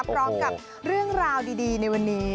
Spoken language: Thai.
พร้อมกับเรื่องราวดีในวันนี้